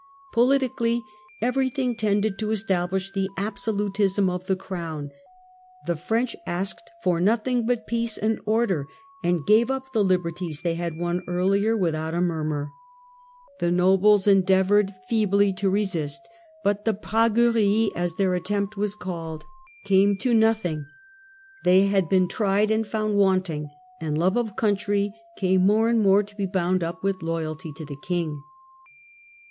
Politically every thing tended to establish the absolutism of the Crown ; the French asked for nothing but peace and order, and gave up the liberties they had won earlier without a murmur. The nobles endeavoured feebly to resist, but the Pmguerie, as their attempt was called, came to 224 THE END OF THE MIDDLE AGE nothing ; they had been tried and found wanting ; and love of country came more and more to be bound up with loyalty to the King.